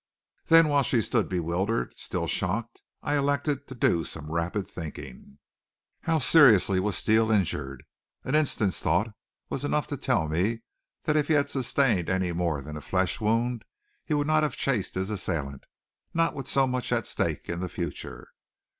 Then while she stood bewildered, still shocked, I elected to do some rapid thinking. How seriously was Steele injured? An instant's thought was enough to tell me that if he had sustained any more than a flesh wound he would not have chased his assailant, not with so much at stake in the future.